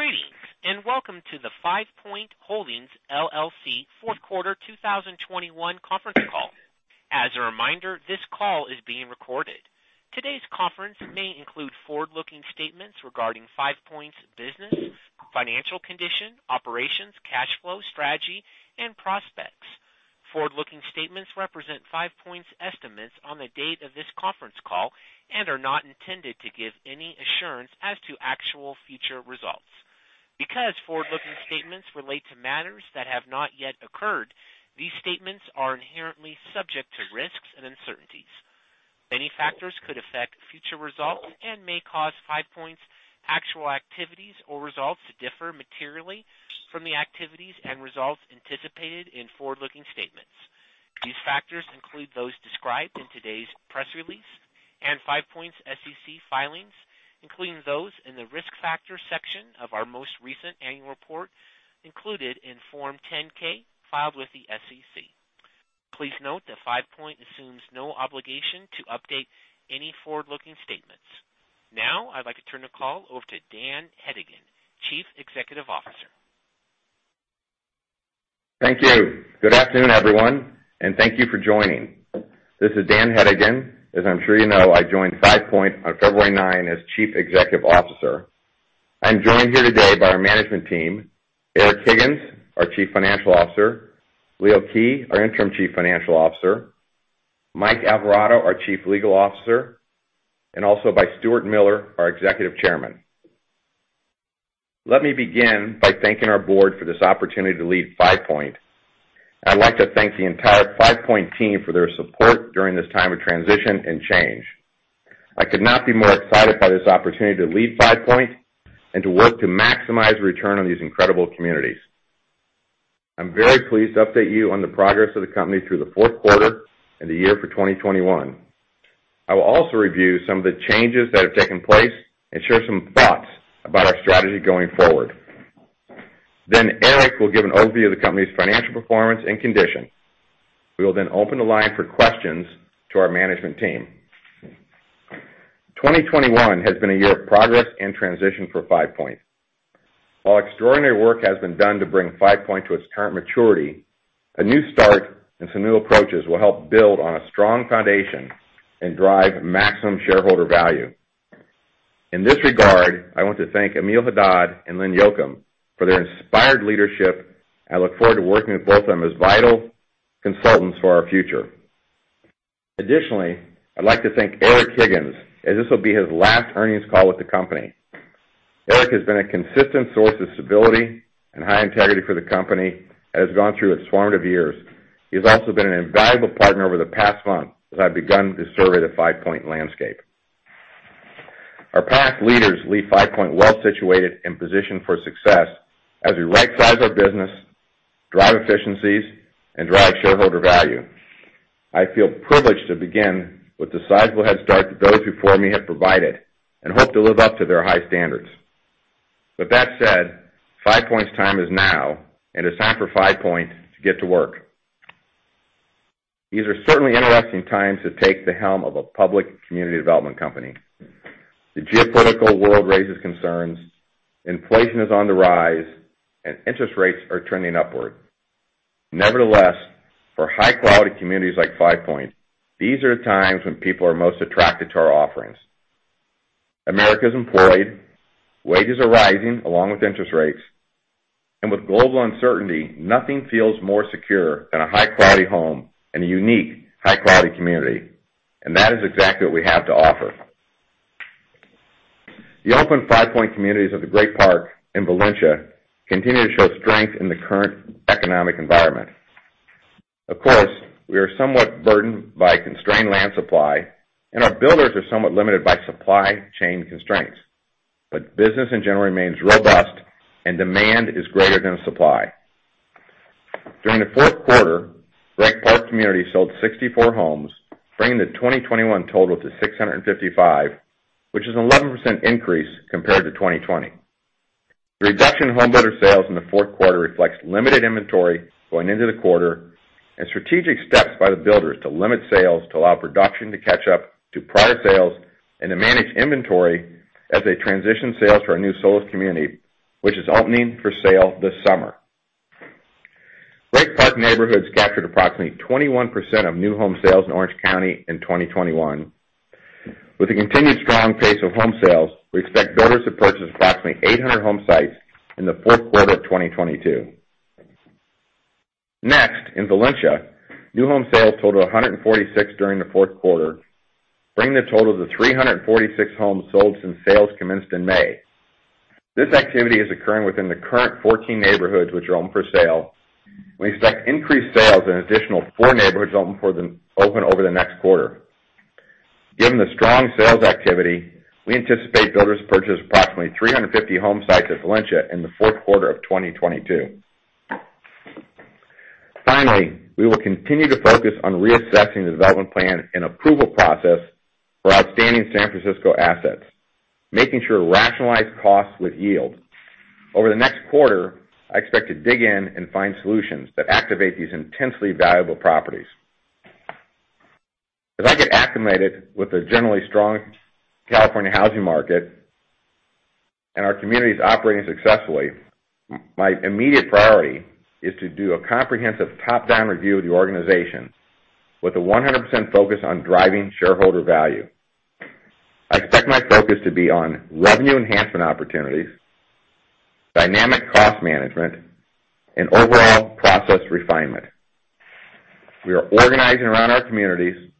Greetings, and welcome to the Five Point Holdings, LLC Fourth Quarter 2021 conference call. As a reminder, this call is being recorded. Today's conference may include forward-looking statements regarding Five Point's business, financial condition, operations, cash flow, strategy, and prospects. Forward-looking statements represent Five Point's estimates on the date of this conference call and are not intended to give any assurance as to actual future results. Because forward-looking statements relate to matters that have not yet occurred, these statements are inherently subject to risks and uncertainties. Many factors could affect future results and may cause Five Point's actual activities or results to differ materially from the activities and results anticipated in forward-looking statements. These factors include those described in today's press release and Five Point's SEC filings, including those in the Risk Factors section of our most recent annual report included in Form 10-K filed with the SEC. Please note that Five Point assumes no obligation to update any forward-looking statements. Now, I'd like to turn the call over to Dan Hedigan, Chief Executive Officer. Thank you. Good afternoon, everyone, and thank you for joining. This is Dan Hedigan. As I'm sure you know, I joined Five Point on February 9 as Chief Executive Officer. I'm joined here today by our management team, Erik Higgins, our Chief Financial Officer, Leo Kij, our Interim Chief Financial Officer, Mike Alvarado, our Chief Legal Officer, and also by Stuart Miller, our Executive Chairman. Let me begin by thanking our board for this opportunity to lead Five Point. I'd like to thank the entire Five Point team for their support during this time of transition and change. I could not be more excited by this opportunity to lead Five Point and to work to maximize return on these incredible communities. I'm very pleased to update you on the progress of the company through the fourth quarter and the year for 2021. I will also review some of the changes that have taken place and share some thoughts about our strategy going forward. Then Erik will give an overview of the company's financial performance and condition. We will then open the line for questions to our management team. 2021 has been a year of progress and transition for Five Point. While extraordinary work has been done to bring Five Point to its current maturity, a new start and some new approaches will help build on a strong foundation and drive maximum shareholder value. In this regard, I want to thank Emile Haddad and Lynn Jochim for their inspired leadership. I look forward to working with both of them as vital consultants for our future. Additionally, I'd like to thank Erik Higgins, as this will be his last earnings call with the company. Erik has been a consistent source of stability and high integrity for the company as it has gone through its formative years. He has also been an invaluable partner over the past month as I've begun to survey the Five Point landscape. Our past leaders leave Five Point well situated and positioned for success as we right-size our business, drive efficiencies, and drive shareholder value. I feel privileged to begin with the sizable head start that those before me have provided and hope to live up to their high standards. With that said, Five Point's time is now, and it's time for Five Point to get to work. These are certainly interesting times to take the helm of a public community development company. The geopolitical world raises concerns, inflation is on the rise, and interest rates are trending upward. Nevertheless, for high-quality communities like Five Point, these are the times when people are most attracted to our offerings. Americans are employed, wages are rising along with interest rates, and with global uncertainty, nothing feels more secure than a high-quality home and a unique high-quality community, and that is exactly what we have to offer. The open Five Point communities of the Great Park in Valencia continue to show strength in the current economic environment. Of course, we are somewhat burdened by constrained land supply, and our builders are somewhat limited by supply chain constraints. Business in general remains robust, and demand is greater than supply. During the fourth quarter, Great Park Community sold 64 homes, bringing the 2021 total to 655, which is an 11% increase compared to 2020. The reduction in homebuilder sales in the fourth quarter reflects limited inventory going into the quarter and strategic steps by the builders to limit sales to allow production to catch up to prior sales and to manage inventory as they transition sales to our new Solis community, which is opening for sale this summer. Great Park Neighborhoods captured approximately 21% of new home sales in Orange County in 2021. With the continued strong pace of home sales, we expect builders to purchase approximately 800 home sites in the fourth quarter of 2022. Next, in Valencia, new home sales totaled 146 during the fourth quarter, bringing the total to 346 homes sold since sales commenced in May. This activity is occurring within the current 14 neighborhoods which are open for sale. We expect increased sales in additional four neighborhoods open over the next quarter. Given the strong sales activity, we anticipate builders purchase approximately 350 home sites at Valencia in the fourth quarter of 2022. Finally, we will continue to focus on reassessing the development plan and approval process for outstanding San Francisco assets, making sure rationalized costs with yield. Over the next quarter, I expect to dig in and find solutions that activate these intensely valuable properties. As I get acclimated with the generally strong California housing market and our communities operating successfully, my immediate priority is to do a comprehensive top-down review of the organization with a 100% focus on driving shareholder value. I expect my focus to be on revenue enhancement opportunities, dynamic cost management, and overall process refinement. We are organizing around our communities, and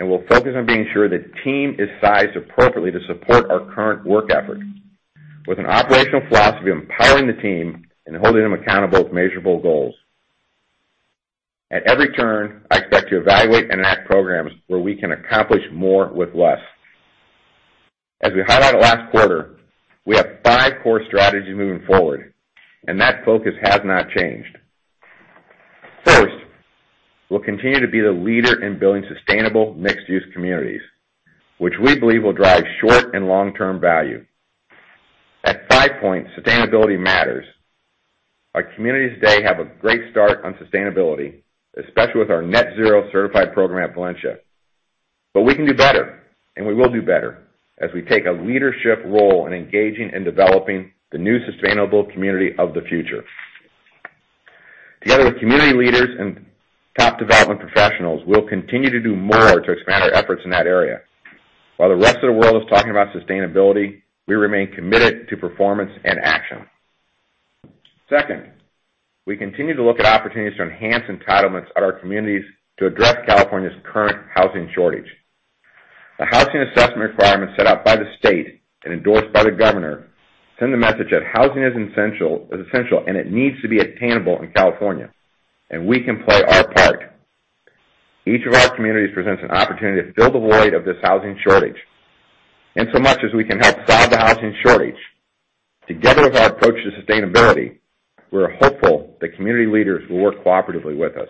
we'll focus on being sure the team is sized appropriately to support our current work effort with an operational philosophy of empowering the team and holding them accountable with measurable goals. At every turn, I expect to evaluate and enact programs where we can accomplish more with less. As we highlighted last quarter, we have five core strategies moving forward, and that focus has not changed. First, we'll continue to be the leader in building sustainable mixed-use communities, which we believe will drive short and long-term value. At Five Point, sustainability matters. Our communities today have a great start on sustainability, especially with our net zero certified program at Valencia. We can do better, and we will do better as we take a leadership role in engaging and developing the new sustainable community of the future. Together with community leaders and top development professionals, we'll continue to do more to expand our efforts in that area. While the rest of the world is talking about sustainability, we remain committed to performance and action. Second, we continue to look at opportunities to enhance entitlements at our communities to address California's current housing shortage. The housing assessment requirements set out by the state and endorsed by the governor send the message that housing is essential, and it needs to be attainable in California, and we can play our part. Each of our communities presents an opportunity to fill the void of this housing shortage. In so much as we can help solve the housing shortage, together with our approach to sustainability, we're hopeful that community leaders will work cooperatively with us.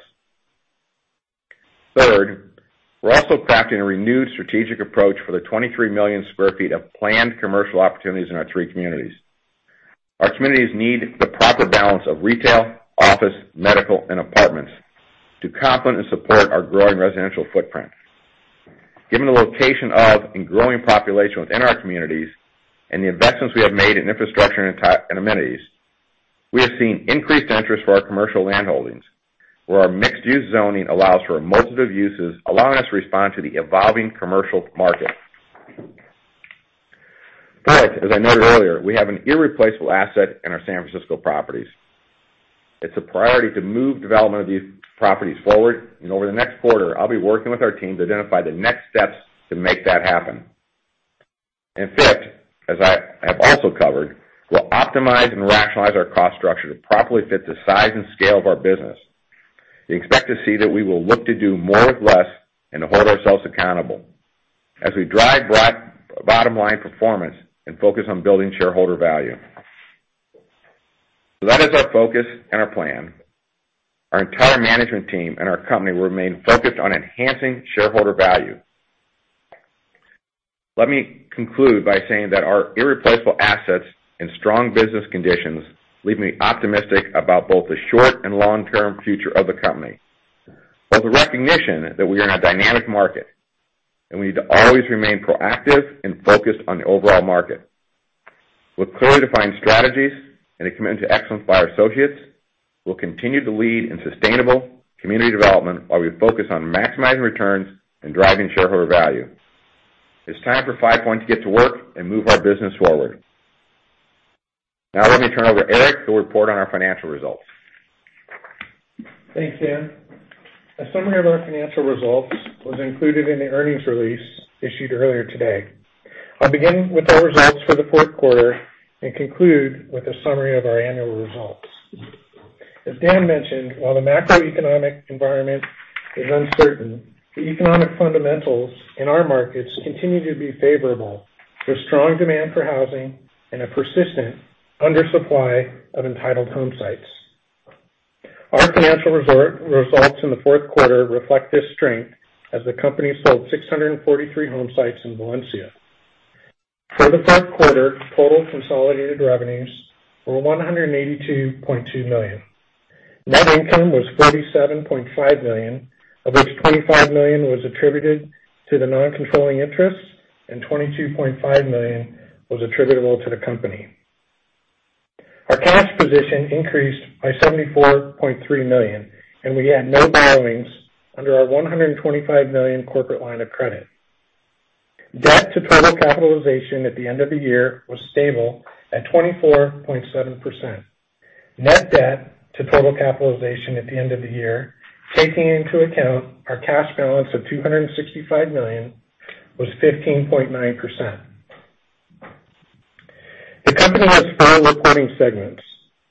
Third, we're also crafting a renewed strategic approach for the 23 million sq ft of planned commercial opportunities in our three communities. Our communities need the proper balance of retail, office, medical, and apartments to complement and support our growing residential footprint. Given the location of and growing population within our communities and the investments we have made in infrastructure and amenities, we have seen increased interest for our commercial land holdings, where our mixed-use zoning allows for a multitude of uses, allowing us to respond to the evolving commercial market. Third, as I noted earlier, we have an irreplaceable asset in our San Francisco properties. It's a priority to move development of these properties forward, and over the next quarter, I'll be working with our team to identify the next steps to make that happen. Fifth, as I have also covered, we'll optimize and rationalize our cost structure to properly fit the size and scale of our business. We expect to see that we will look to do more with less and hold ourselves accountable as we drive broad bottom-line performance and focus on building shareholder value. That is our focus and our plan. Our entire management team and our company remain focused on enhancing shareholder value. Let me conclude by saying that our irreplaceable assets and strong business conditions leave me optimistic about both the short and long-term future of the company. With the recognition that we are in a dynamic market, and we need to always remain proactive and focused on the overall market. With clearly defined strategies and a commitment to excellence by our associates, we'll continue to lead in sustainable community development while we focus on maximizing returns and driving shareholder value. It's time for Five Point to get to work and move our business forward. Now let me turn it over to Erik, who will report on our financial results. Thanks, Dan. A summary of our financial results was included in the earnings release issued earlier today. I'll begin with our results for the fourth quarter and conclude with a summary of our annual results. As Dan mentioned, while the macroeconomic environment is uncertain, the economic fundamentals in our markets continue to be favorable, with strong demand for housing and a persistent undersupply of entitled homesites. Our financial results in the fourth quarter reflect this strength as the company sold 643 homesites in Valencia. For the fourth quarter, total consolidated revenues were $182.2 million. Net income was $47.5 million, of which $25 million was attributed to the non-controlling interests, and $22.5 million was attributable to the company. Our cash position increased by $74.3 million, and we had no borrowings under our $125 million corporate line of credit. Debt to total capitalization at the end of the year was stable at 24.7%. Net debt to total capitalization at the end of the year, taking into account our cash balance of $265 million, was 15.9%. The company has four reporting segments: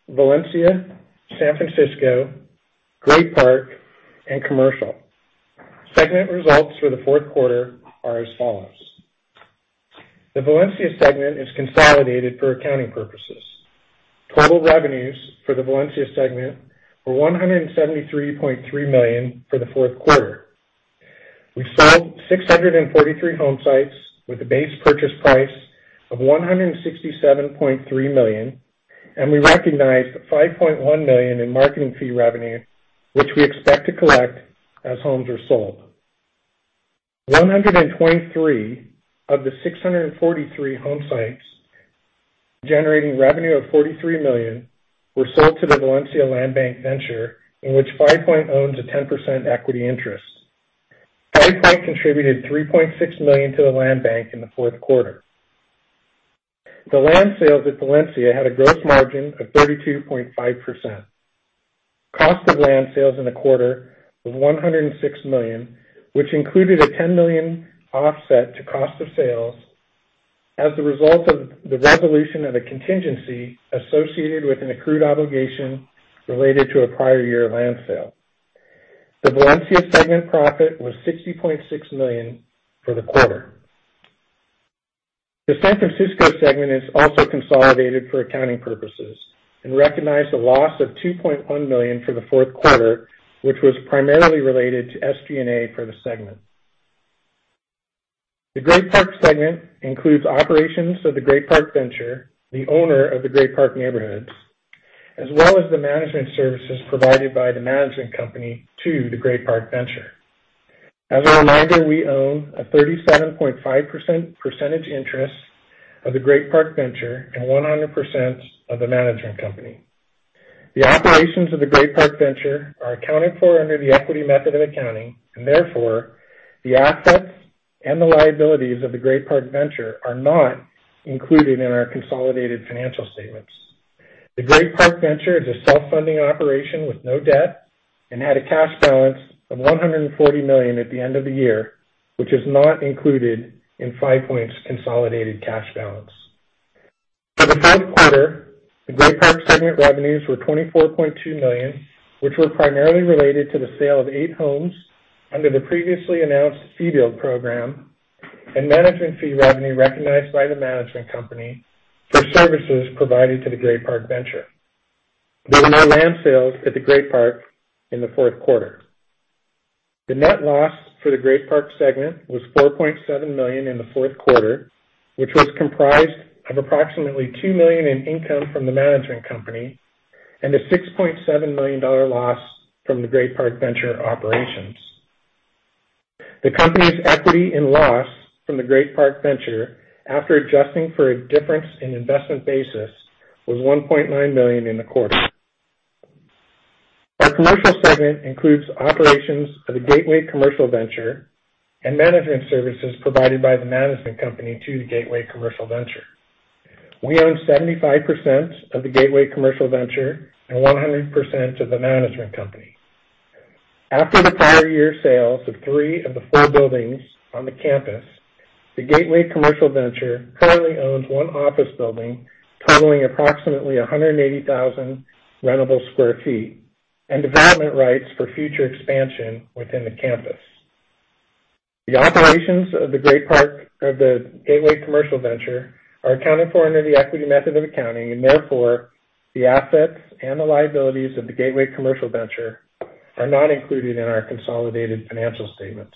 Valencia, San Francisco, Great Park, and Commercial. Segment results for the fourth quarter are as follows. The Valencia segment is consolidated for accounting purposes. Total revenues for the Valencia segment were $173.3 million for the fourth quarter. We sold 643 homesites with a base purchase price of $167.3 million. We recognized $5.1 million in marketing fee revenue, which we expect to collect as homes are sold. 123 of the 643 home sites generating revenue of $43 million were sold to the Valencia Landbank Venture, in which Five Point owns a 10% equity interest. Five Point contributed $3.6 million to the Landbank in the fourth quarter. The land sales at Valencia had a gross margin of 32.5%. Cost of land sales in the quarter was $106 million, which included a $10 million offset to cost of sales as the result of the resolution of a contingency associated with an accrued obligation related to a prior year land sale. The Valencia segment profit was $60.6 million for the quarter. The San Francisco segment is also consolidated for accounting purposes and recognized a loss of $2.1 million for the fourth quarter, which was primarily related to SG&A for the segment. The Great Park segment includes operations of the Great Park Venture, the owner of the Great Park neighborhoods, as well as the management services provided by the management company to the Great Park Venture. As a reminder, we own a 37.5% interest of the Great Park Venture and 100% of the management company. The operations of the Great Park Venture are accounted for under the equity method of accounting, and therefore, the assets and the liabilities of the Great Park Venture are not included in our consolidated financial statements. The Great Park Venture is a self-funding operation with no debt and had a cash balance of $140 million at the end of the year, which is not included in Five Point's consolidated cash balance. For the fourth quarter, the Great Park segment revenues were $24.2 million, which were primarily related to the sale of 8 homes under the previously announced fee build program and management fee revenue recognized by the management company for services provided to the Great Park Venture. There were no land sales at the Great Park in the fourth quarter. The net loss for the Great Park segment was $4.7 million in the fourth quarter, which was comprised of approximately $2 million in income from the management company and a $6.7 million loss from the Great Park Venture operations. The company's equity and loss from the Great Park Venture, after adjusting for a difference in investment basis, was $1.9 million in the quarter. Our commercial segment includes operations of the Gateway Commercial Venture and management services provided by the management company to the Gateway Commercial Venture. We own 75% of the Gateway Commercial Venture and 100% of the management company. After the prior year sales of three of the four buildings on the campus, the Gateway Commercial Venture currently owns one office building totaling approximately 180,000 rentable sq ft and development rights for future expansion within the campus. The operations of the Great Park or the Gateway Commercial Venture are accounted for under the equity method of accounting, and therefore, the assets and the liabilities of the Gateway Commercial Venture are not included in our consolidated financial statements.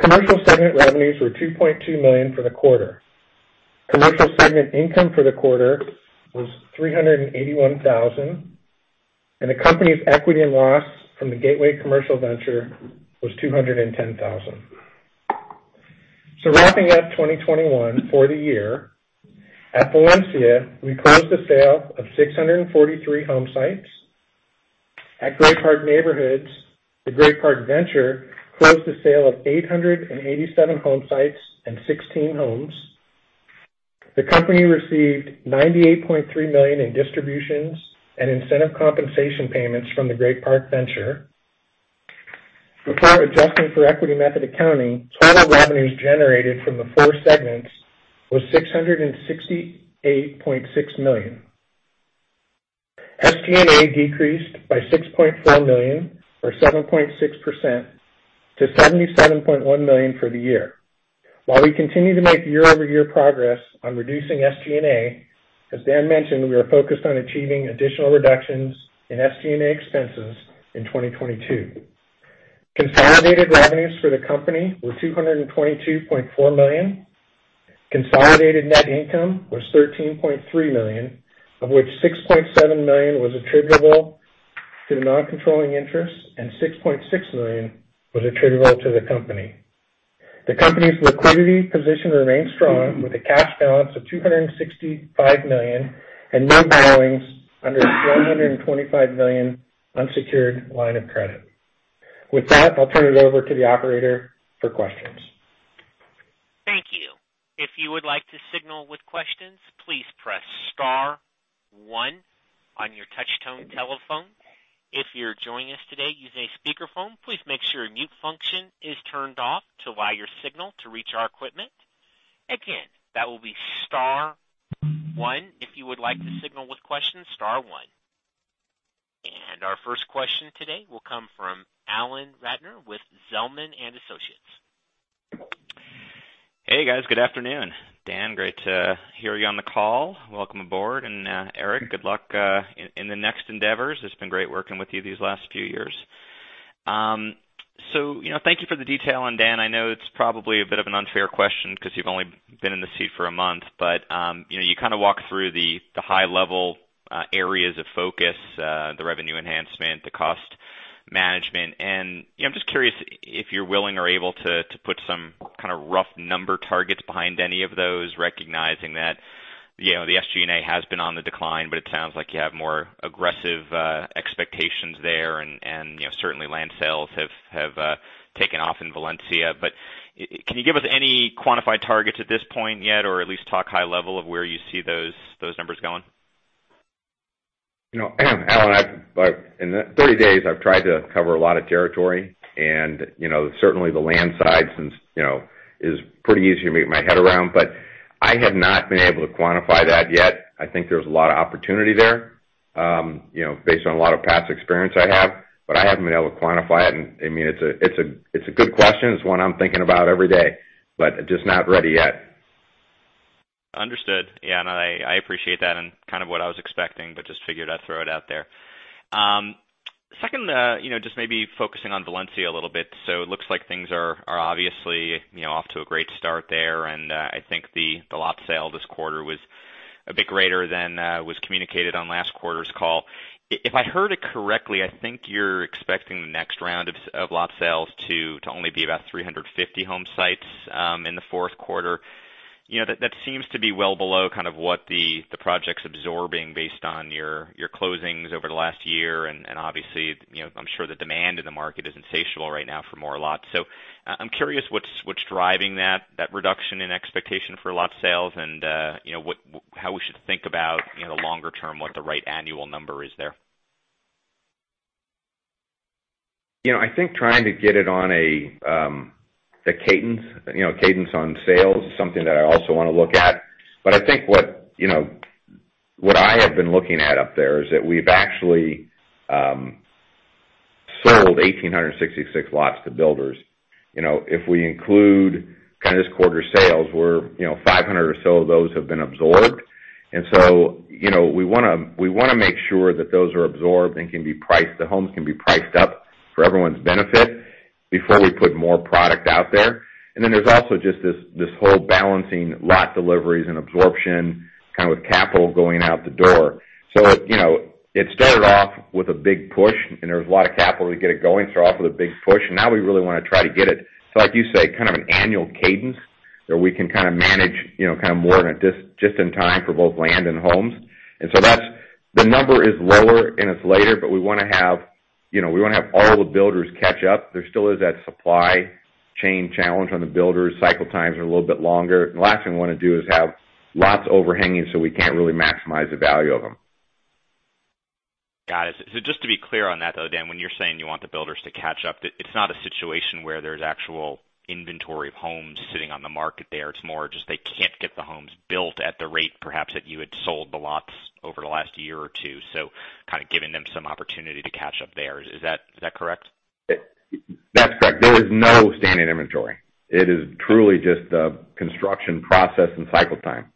Commercial segment revenues were $2.2 million for the quarter. Commercial segment income for the quarter was $381,000, and the company's equity and loss from the Gateway Commercial Venture was $210,000. Wrapping up 2021 for the year, at Valencia, we closed the sale of 643 home sites. At Great Park Neighborhoods, the Great Park Venture closed the sale of 887 home sites and 16 homes. The company received $98.3 million in distributions and incentive compensation payments from the Great Park Venture. Before adjusting for equity method accounting, total revenues generated from the four segments was $668.6 million. SG&A decreased by $6.4 million or 7.6% to $77.1 million for the year. While we continue to make year-over-year progress on reducing SG&A, as Dan mentioned, we are focused on achieving additional reductions in SG&A expenses in 2022. Consolidated revenues for the company were $222.4 million. Consolidated net income was $13.3 million, of which $6.7 million was attributable to the non-controlling interest, and $6.6 million was attributable to the company. The company's liquidity position remains strong with a cash balance of $265 million and no borrowings under its $125 million unsecured line of credit. With that, I'll turn it over to the operator for questions. Thank you. If you would like to signal with questions, please press star one on your touch tone telephone. If you're joining us today using a speakerphone, please make sure mute function is turned off to allow your signal to reach our equipment. Again, that will be star one if you would like to signal with questions, star one. Our first question today will come from Alan Ratner with Zelman & Associates. Hey, guys. Good afternoon. Dan, great to hear you on the call. Welcome aboard. Eric, good luck in the next endeavors. It's been great working with you these last few years. You know, thank you for the detail. Dan, I know it's probably a bit of an unfair question because you've only been in the seat for a month, but you know, you kind of walk through the high level areas of focus, the revenue enhancement, the cost management. You know, I'm just curious if you're willing or able to put some kind of rough number targets behind any of those, recognizing that you know, the SG&A has been on the decline, but it sounds like you have more aggressive expectations there. You know, certainly land sales have taken off in Valencia. Can you give us any quantified targets at this point yet or at least talk high level of where you see those numbers going? You know, Alan, in the 30 days, I've tried to cover a lot of territory. You know, certainly the land side, you know, is pretty easy to get my head around, but I have not been able to quantify that yet. I think there's a lot of opportunity there, you know, based on a lot of past experience I have, but I haven't been able to quantify it. I mean, it's a good question. It's one I'm thinking about every day, but just not ready yet. Understood. Yeah. I appreciate that. Kind of what I was expecting, but just figured I'd throw it out there. Second, you know, just maybe focusing on Valencia a little bit. It looks like things are obviously, you know, off to a great start there. I think the lot sale this quarter was a bit greater than was communicated on last quarter's call. If I heard it correctly, I think you're expecting the next round of lot sales to only be about 350 home sites in the fourth quarter. You know, that seems to be well below kind of what the project's absorbing based on your closings over the last year. Obviously, you know, I'm sure the demand in the market is insatiable right now for more lots. I'm curious what's driving that reduction in expectation for lot sales and, you know, how we should think about, you know, the longer term, what the right annual number is there. You know, I think trying to get it on a cadence, you know, cadence on sales is something that I also wanna look at. I think what I have been looking at up there is that we've actually sold 1,866 lots to builders. You know, if we include kind of this quarter sales, we're, you know, 500 or so of those have been absorbed. You know, we wanna make sure that those are absorbed and can be priced, the homes can be priced up for everyone's benefit before we put more product out there. Then there's also just this whole balancing lot deliveries and absorption kind of with capital going out the door. You know, it started off with a big push, and there was a lot of capital to get it going, so off with a big push. Now we really wanna try to get it, so like you say, kind of an annual cadence where we can kind of manage, you know, kind of more just in time for both land and homes. That's. The number is lower and it's later, but we wanna have, you know, all the builders catch up. There still is that supply chain challenge on the builders. Cycle times are a little bit longer. The last thing we wanna do is have lots overhanging, so we can't really maximize the value of them. Got it. Just to be clear on that, though, Dan, when you're saying you want the builders to catch up, it's not a situation where there's actual inventory of homes sitting on the market there. It's more just they can't get the homes built at the rate perhaps that you had sold the lots over the last year or two, so kind of giving them some opportunity to catch up there. Is that correct? That's correct. There is no standing inventory. It is truly just a construction process and cycle time.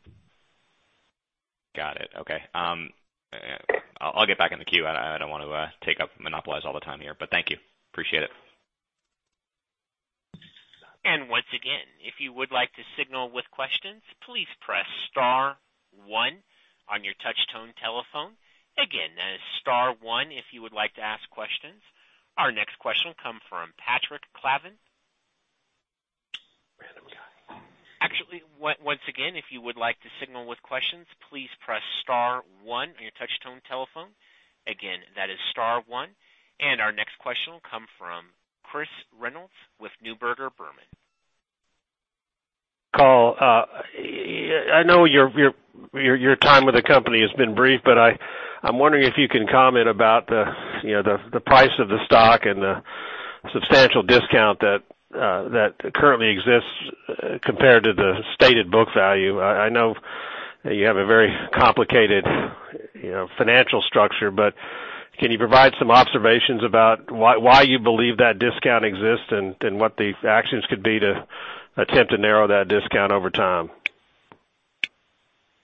Got it. Okay. I'll get back in the queue. I don't want to take up, monopolize all the time here, but thank you. Appreciate it. Once again, if you would like to signal with questions, please press star one on your touch tone telephone. Again, that is star one if you would like to ask questions. Our next question will come from Patrick Clavin. Actually, once again, if you would like to signal with questions, please press star one on your touch tone telephone. Again, that is star one. Our next question will come from Chris Reynolds with Neuberger Berman. Dan, I know your time with the company has been brief, but I'm wondering if you can comment about the, you know, the price of the stock and the substantial discount that currently exists compared to the stated book value. I know you have a very complicated, you know, financial structure, but can you provide some observations about why you believe that discount exists and what the actions could be to attempt to narrow that discount over time?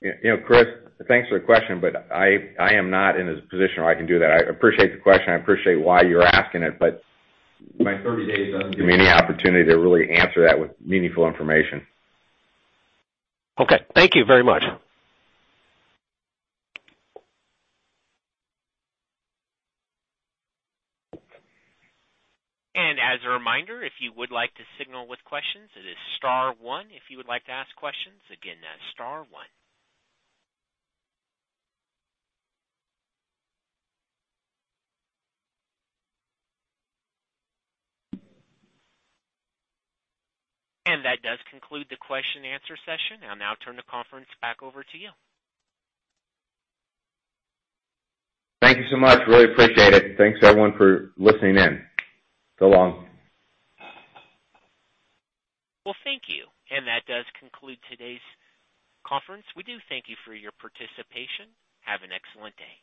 You know, Chris, thanks for the question, but I am not in a position where I can do that. I appreciate the question. I appreciate why you're asking it, but my 30 days doesn't give me any opportunity to really answer that with meaningful information. Okay. Thank you very much. As a reminder, if you would like to signal with questions, it is star one if you would like to ask questions. Again, that's star one. That does conclude the question and answer session. I'll now turn the conference back over to you. Thank you so much. Really appreciate it. Thanks everyone for listening in. So long. Well, thank you. That does conclude today's conference. We do thank you for your participation. Have an excellent day.